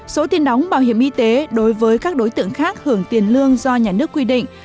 số tiền đóng bảo hiểm y tế đối với các đối tượng khác hưởng tiền lương do nhà nước quy định